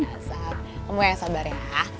nah saab kamu yang sabar ya